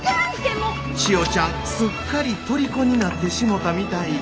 千代ちゃんすっかりとりこになってしもたみたい。